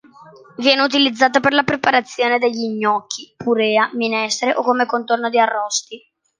Viene utilizzata per la preparazione degli gnocchi, purea, minestre, o come contorno di arrosti.